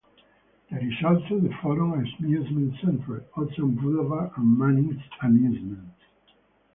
There is also the Forum Amusement Centre, Ocean Boulevard and Manning's Amusements.